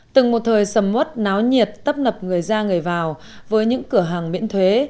từng một thời sầm mất náo nhiệt tắp nập người ra người vào với những cửa hàng miễn thuế